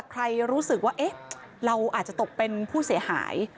ใครรู้สึกว่าเราอาจจะตกเป็นผู้เสียหาย